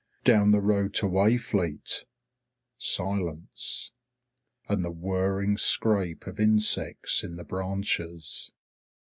Down the road to Wayfleet, silence and the whirring scrape of insects in the branches.